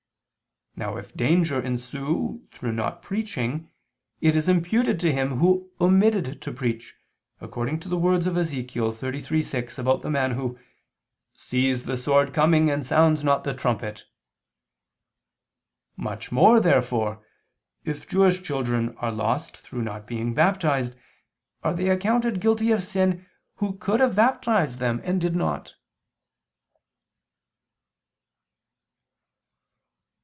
Now if danger ensue through not preaching, it is imputed to him who omitted to preach, according to the words of Ezech. 33:6 about the man who "sees the sword coming and sounds not the trumpet." Much more therefore, if Jewish children are lost through not being baptized are they accounted guilty of sin, who could have baptized them and did not.